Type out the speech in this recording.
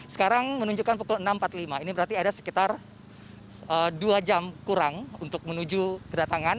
sekarang menunjukkan pukul enam empat puluh lima ini berarti ada sekitar dua jam kurang untuk menuju kedatangan